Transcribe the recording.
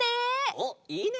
おっいいね！